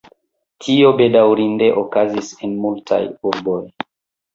Tio bedaŭrinde okazis en multaj urboj.